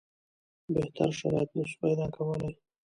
بهتر شرایط نه سو پیدا کولای.